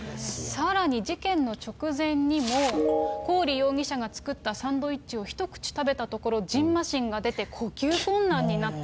さらに、事件の直前にも、コーリ容疑者が作ったサンドイッチを一口食べたところ、じんましんが出て呼吸困難になった。